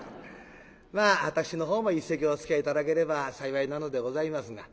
まあ私のほうも一席おつきあい頂ければ幸いなのでございますが。